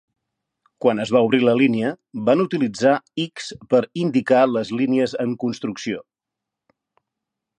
Quan es va obrir la línia, van utilitzar X per indicar les línies en construcció.